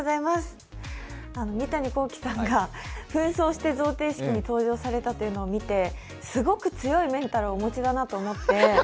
三谷幸喜さんが、ふん装して贈呈式に登場されたのを見て、すごく強いメンタルをお持ちだなと思って。